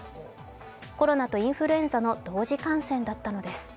コロナとインフルエンザの同時感染だったのです。